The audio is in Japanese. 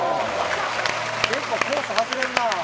やっぱコース外れるな。